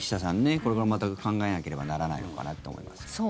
これから、また考えなければならないのかなと思います。